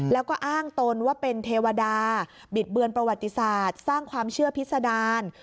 แล้วก็อ้างตนว่าเป็นเทวดาบิดเบือนประวัติศาสตร์สร้างความเชื่อพิษดาร